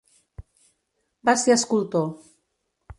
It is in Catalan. Va ser escultor.